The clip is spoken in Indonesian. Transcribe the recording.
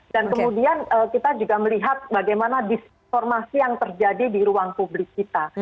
dan kemudian kita juga melihat bagaimana disormasi yang terjadi di ruang publik kita